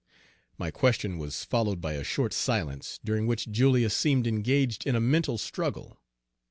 My question was followed by a short silence, during which Julius seemed engaged in a mental struggle.